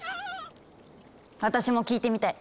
私も聴いてみたい。